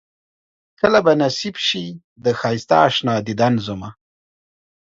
کله به نصيب شي د ښائسته اشنا ديدن زما